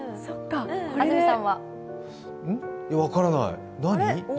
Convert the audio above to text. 分からない、何？